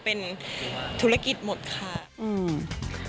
เป็นธุรกิจหมดค่ะอืม